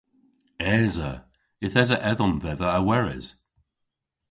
Esa. Yth esa edhom dhedha a weres.